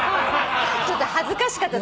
ちょっと恥ずかしかった。